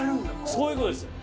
そういうことです。